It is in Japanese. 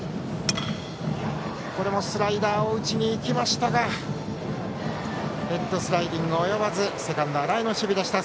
これもスライダーを打ちに行きましたがヘッドスライディング及ばずセカンド、荒江の守備でした。